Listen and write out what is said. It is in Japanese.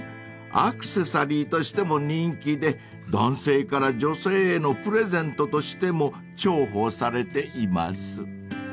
［アクセサリーとしても人気で男性から女性へのプレゼントとしても重宝されています］